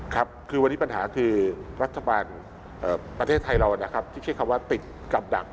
ครับคือวันนี้ปัญหาคือรัฐบาลประเทศไทยเรานะครับที่ใช้คำว่าติดกับดัก